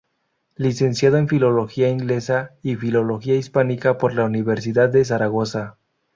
Licenciado en Filología Inglesa y Filología Hispánica por la Universidad de Zaragoza.